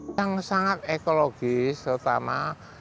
penanganan wilayah pesisir utara jawa tengah